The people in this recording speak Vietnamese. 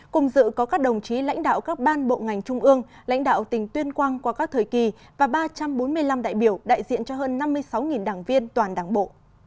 cùng dự có các đồng chí lãnh đạo các ban bộ ngành trung ương lãnh đạo tỉnh tuyên quang qua các thời kỳ và ba trăm bốn mươi năm đại biểu đại diện cho hơn năm mươi sáu đảng viên toàn đảng bộ